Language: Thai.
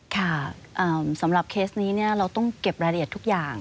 ค่ะสำหรับเคสนี้เราต้องเก็บรายละเอียดทุกอย่าง